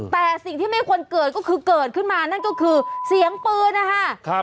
แต่สิ่งที่ไม่ควรเกิดก็คือเกิดขึ้นมานั่นก็คือเสียงปืนนะคะ